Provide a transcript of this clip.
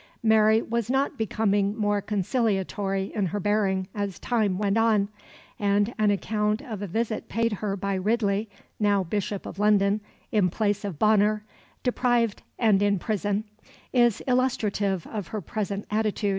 Mary was not becoming more conciliatory in her bearing as time went on, and an account of a visit paid her by Ridley, now Bishop of London in place of Bonner, deprived and in prison, is illustrative of her present attitude.